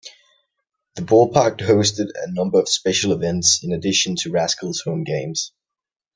The ballpark hosted a number of special events in addition to Rascals home games.